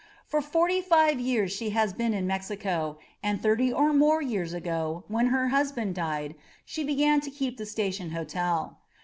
For forty five years she has been in Mexico, and thirty or more years ago, when her husband died, she began to keep the Station Hotel.